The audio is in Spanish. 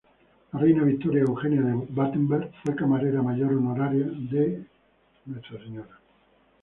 La reina Victoria Eugenia de Battenberg, fue Camarera Mayor Honoraria de Ntra.